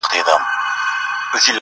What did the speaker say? په عشق کي دومره رسميت هيڅ باخبر نه کوي~